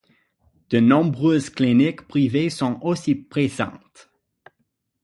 De nombreuses cliniques privées sont aussi présentes.